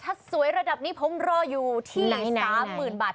ถ้าสวยระดับนี้ผมรออยู่ที่๓๐๐๐บาท